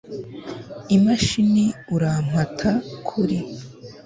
imashini urampata Kuri